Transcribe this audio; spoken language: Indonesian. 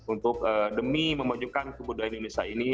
untuk demi memajukan kebudayaan indonesia ini